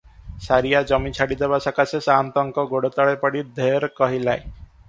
ସାରିଆ ଜମି ଛାଡ଼ିଦେବା ସକାଶେ ସାଆନ୍ତଙ୍କ ଗୋଡ଼ତଳେ ପଡି ଢେର କହିଲେ ।